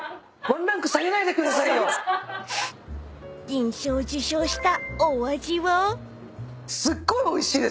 ［銀賞を受賞したお味は］